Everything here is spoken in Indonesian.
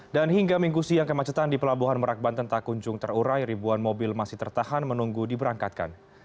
dan hingga minggu siang kemacetan di pelabuhan merak banten tak kunjung terurai ribuan mobil masih tertahan menunggu diberangkatkan